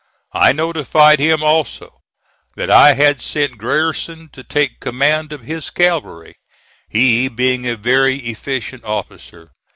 I notified him, also, that I had sent Grierson to take command of his cavalry, he being a very efficient officer.